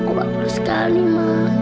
aku nggak bersikap ini ma